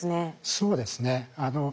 そうです。